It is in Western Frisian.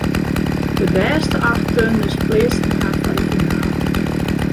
De bêste acht turners pleatsten har foar de finale.